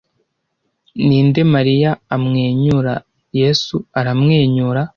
ninde mariya amwenyura yesu aramwenyura